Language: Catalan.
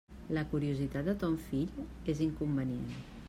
La curiositat de ton fill és inconvenient.